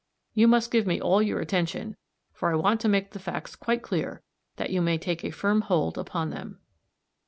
You must give me all your attention, for I want to make the facts quite clear, that you may take a firm hold upon them.